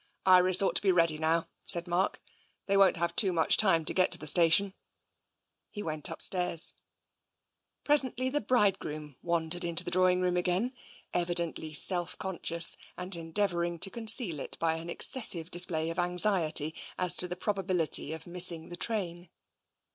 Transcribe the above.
" Iris ought to be ready now," said Mark ;" they won't have too much time to get to the station." He went upstairs. Presently the bridegroom wandered into the draw ing room again, evidently self conscious, and endeav ouring to conceal it by an excessive display of anxiety as to the probability of missing the train.